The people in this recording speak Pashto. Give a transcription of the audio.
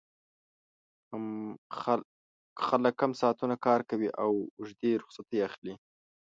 خلک کم ساعتونه کار کوي او اوږدې رخصتۍ اخلي